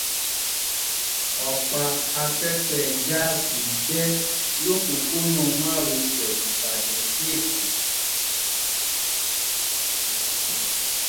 Ọ̀pá afẹ́fẹ́ gáàsì bẹ́ lópópónà márosẹ̀ Ìbàdàn sí Èkó.